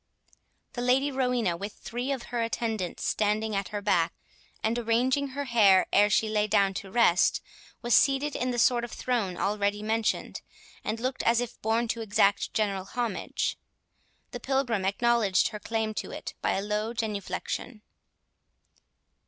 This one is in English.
The Lady Rowena, with three of her attendants standing at her back, and arranging her hair ere she lay down to rest, was seated in the sort of throne already mentioned, and looked as if born to exact general homage. The Pilgrim acknowledged her claim to it by a low genuflection.